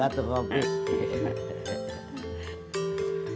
hah dateng juga tuh kopi